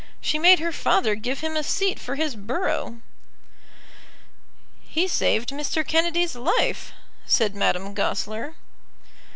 She made her father give him a seat for his borough." "He saved Mr. Kennedy's life," said Madame Goesler.